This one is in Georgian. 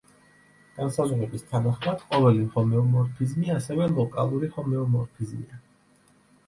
განსაზღვრების თანახმად, ყოველი ჰომეომორფიზმი ასევე ლოკალური ჰომეომორფიზმია.